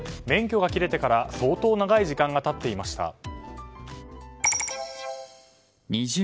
免許が切れてから相当長い時間が経っていました。